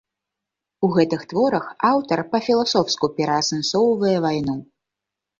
У гэтых творах аўтар па-філасофску пераасэнсоўвае вайну.